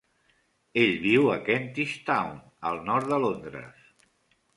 Ell viu a Kentish Town, al nord de Londres.